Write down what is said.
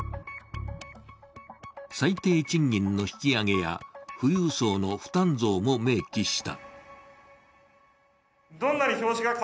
最低賃金の引き上げや富裕層の負担増も明記した。